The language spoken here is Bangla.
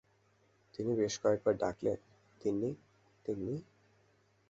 তিনি বেশ কয়েক বার ডাকলেন, তিন্নি তিন্নি।